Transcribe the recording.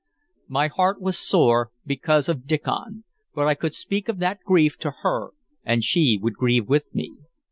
My heart was sore because of Diccon; but I could speak of that grief to her, and she would grieve with me.